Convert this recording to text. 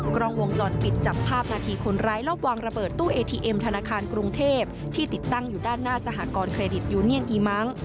กล้องวงจรปิดจับภาพนาทีคนร้ายรอบวางระเบิดตู้เอทีเอ็มธนาคารกรุงเทพที่ติดตั้งอยู่ด้านหน้าสหกรณเครดิตยูเนียนอีมั้ง